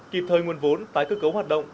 kịp thời nguồn vốn tái cơ cấu hoạt động